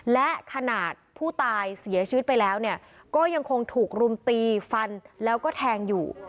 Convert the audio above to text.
และขนาดผู้ตายเสียชีวิตไปแล้วเนี่ยก็ยังคงถูกรุมตีฟันแล้วก็แทงอยู่